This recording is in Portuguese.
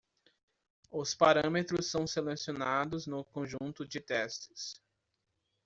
Os parâmetros são selecionados no conjunto de testes.